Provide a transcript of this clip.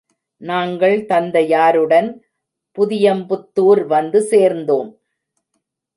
நாங்கள் தந்தையாருடன், புதியம்புத்துார் வந்து சேர்ந்தோம்.